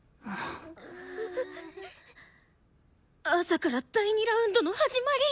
朝から第２ラウンドの始まり！？